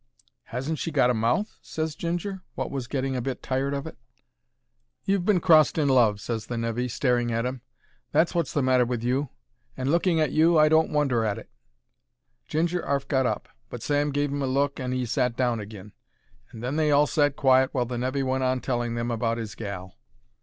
"Hasn't she got a mouth?" ses Ginger, wot was getting a bit tired of it. "You've been crossed in love," ses the nevy, staring at 'im. "That's wot's the matter with you. And looking at you, I don't wonder at it." Ginger 'arf got up, but Sam gave him a look and 'e sat down agin, and then they all sat quiet while the nevy went on telling them about 'is gal.